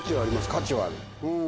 価値はある！